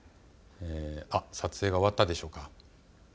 撮影が終わったでしょうか。